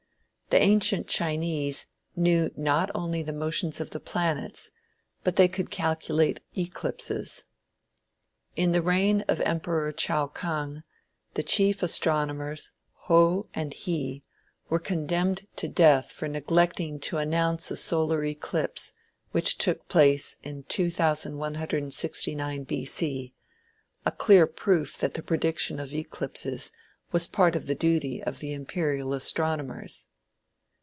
The ancient Chinese knew not only the motions of the planets, but they could calculate eclipses. "In the reign of the Emperor Chow Kang, the chief astronomers, Ho and Hi were condemned to death for neglecting to announce a solar eclipse which took place 2169 B. C, a clear proof that the prediction of eclipses was a part of the duty of the imperial astronomers."